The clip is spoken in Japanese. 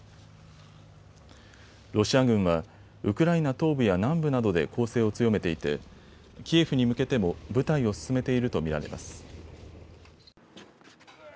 ロシア軍はウクライナ東部や南部などで攻勢を強めていてキエフに向けても部隊を進めていると見られます。